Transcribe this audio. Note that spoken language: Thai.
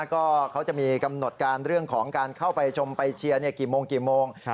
ก็เขาจะมีกำหนดการเรื่องของการเข้าไปชมไปเชียร์กี่โมงกี่โมง